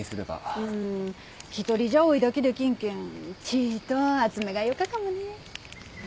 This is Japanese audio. うーん一人じゃ追いだきできんけんちいと熱めがよかかもね。